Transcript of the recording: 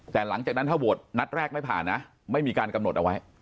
แต่หลังจากนั้นถ้าโหวตนัดแรกไม่ผ่านนะไม่มีการกำหนดเอาไว้